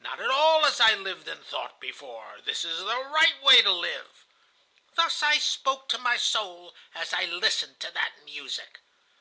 Not at all as I lived and thought before! This is the right way to live!' "Thus I spoke to my soul as I listened to that music.